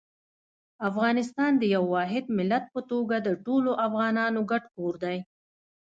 افغانستان د یو واحد ملت په توګه د ټولو افغانانو ګډ کور دی.